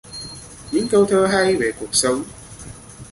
Những câu thơ hay về cuộc sống